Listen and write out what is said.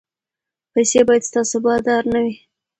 پیسې باید ستاسو بادار نه وي.